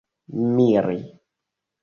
miri